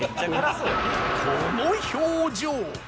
この表情！